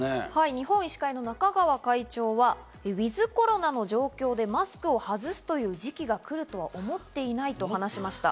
日本医師会の中川会長は、ｗｉｔｈコロナの状況でマスクを外すという時期が来るとは思っていないと話しました。